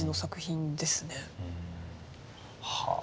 はあ。